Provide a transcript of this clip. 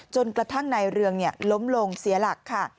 จนกระทั่งนายเรืองล้มลงเสียหลักค่ะ